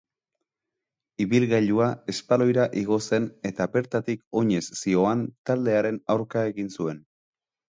Ibilgailua espaloira igo zen eta bertatik oinez zihoan taldearen aurka egin zuen.